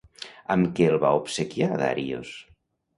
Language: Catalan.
Amb què el va obsequiar Darios?